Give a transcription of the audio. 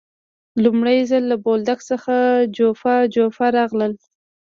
لومړی ځل له بولدک څخه جوپه جوپه راغلل.